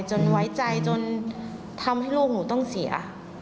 ไว้ใจจนทำให้ลูกหนูต้องเสีย